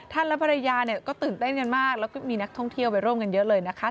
และภรรยาเนี่ยก็ตื่นเต้นกันมากแล้วก็มีนักท่องเที่ยวไปร่วมกันเยอะเลยนะคะ